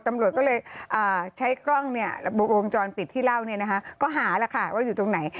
ตำรวจก็เลยใช้กล้องเนี่ยวงจรปิดที่เล่าเนี่ยนะคะก็หาแล้วค่ะว่าอยู่ตรงไหน